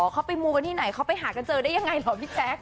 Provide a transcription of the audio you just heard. เข้าไปมูลกันที่ไหนข้าวไปหากันเจอได้ยังไงหรอบิแจ็ค